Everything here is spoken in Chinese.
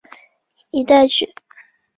以取代。